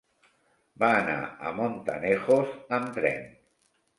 Va anar a Montanejos amb tren.